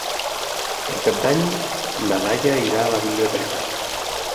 Per Cap d'Any na Laia irà a la biblioteca.